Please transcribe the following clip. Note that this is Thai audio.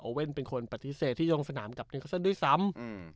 โอเว่นเป็นคนปฏิเสธที่ลงสนามกับนิวเคอร์เซินด้วยซ้ำ